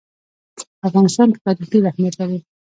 په افغانستان کې تاریخ ډېر اهمیت لري.